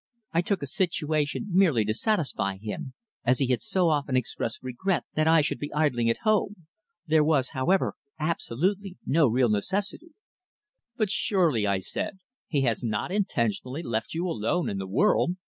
I took a situation merely to satisfy him, as he had so often expressed regret that I should be idling at home. There was, however, absolutely no real necessity." "But surely," I said, "he has not intentionally left you alone in the world?